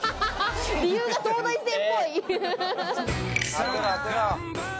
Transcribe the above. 理由が東大生っぽい。